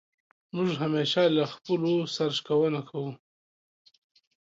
موږ همېشه له خپلو سر شکونه کوو.